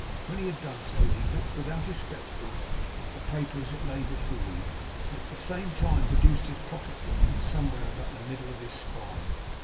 When he had done so, he looked, without his spectacles, at the paper as it lay before him, and at the same time produced his pocket book from somewhere about the middle of his spine.